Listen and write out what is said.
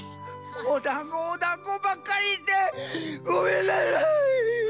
おだんごおだんごばっかりいってごめんなさい！